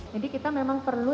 jadi kita memang perlu